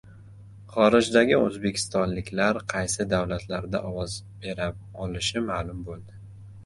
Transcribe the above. Xorijdagi o‘zbekistonliklar qaysi davlatlarda ovoz bera olishi ma’lum bo‘ldi